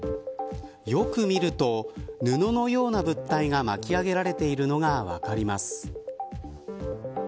よく見ると布のような物体が巻き上げられているのが分かります。